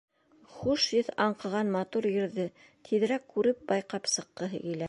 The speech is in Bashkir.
Хуш еҫ аңҡыған матур ерҙе тиҙерәк күреп-байҡап сыҡҡыһы килә.